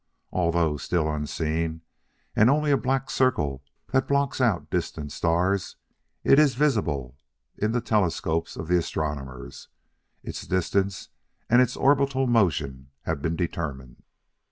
Although still unseen, and only a black circle that blocks out distant stars, it is visible in the telescopes of the astronomers; its distance and its orbital motion have been determined.